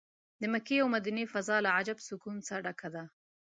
د مکې او مدینې فضا له عجب سکون څه ډکه ده.